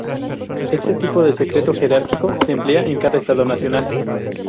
Este tipo de secreto jerárquico se emplea en cada estado nacional.